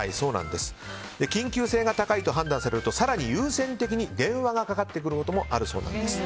緊急性が高いと判断されると更に優先的に電話がかかってくることもあるそうなんです。